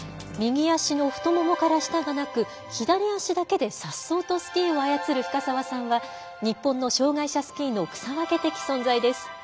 右足の太ももから下がなく左足だけで、さっそうとスキーを操る深沢さんは日本の障がい者スキーの草分け的存在です。